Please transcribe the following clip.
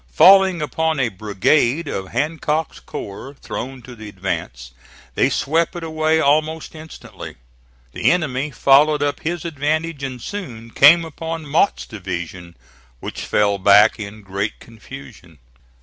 Falling upon a brigade of Hancock's corps thrown to the advance, they swept it away almost instantly. The enemy followed up his advantage and soon came upon Mott's division, which fell back in great confusion.